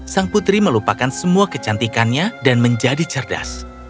sang putri melupakan semua kecantikannya dan menjadi cerdas